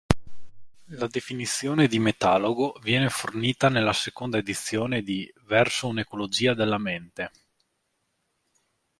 La definizione di metalogo viene fornita nella seconda edizione di "Verso un'ecologia della mente".